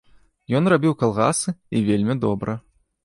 Ён рабіў калгасы і вельмі добра.